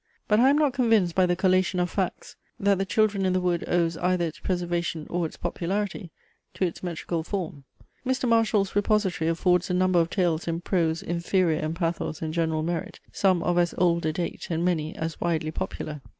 But I am not convinced by the collation of facts, that THE CHILDREN IN THE WOOD owes either its preservation, or its popularity, to its metrical form. Mr. Marshal's repository affords a number of tales in prose inferior in pathos and general merit, some of as old a date, and many as widely popular.